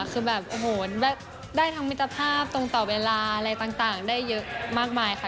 คือแบบโอ้โหได้ทั้งมิตรภาพตรงต่อเวลาอะไรต่างได้เยอะมากมายค่ะ